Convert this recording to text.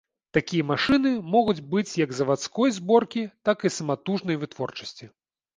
Такія машыны могуць быць як завадской зборкі, так і саматужнай вытворчасці.